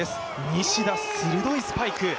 西田、鋭いスパイク。